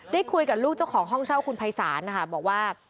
ได้คุยกับลูกเจ้าของห้องเช่าคุณภัยศาลนะคะบอกว่า